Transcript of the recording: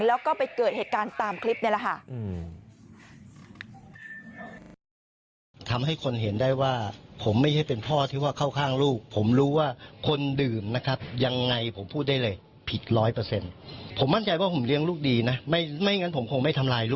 แล้วก็ไปเกิดเหตุการณ์ตามคลิปนี่แหละค่ะ